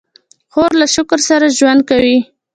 خور له شکر سره ژوند کوي.